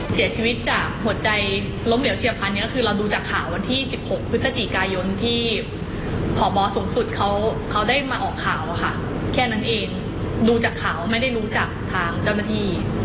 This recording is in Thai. เสียชีวิตจากหัวใจล้มเหลวเฉียบพันธุ์ก็คือเราดูจากข่าววันที่๑๖พฤศจิกายนที่พบสูงสุดเขาเขาได้มาออกข่าวค่ะแค่นั้นเองดูจากข่าวไม่ได้รู้จักทางเจ้าหน้าที่